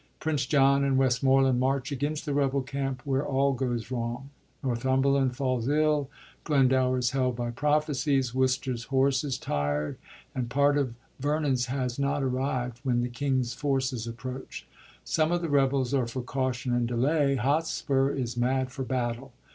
Prince John and Westmoreland march against the rebel camp, where all goes wrong. Northumberland falls ill, Glendower is held by prophecies, Worcester's horse is tired, and part of Vernon's has not arrived, when the king's forces approach. Some of the rebels are for caution and delay; Hotspur is mad for battle.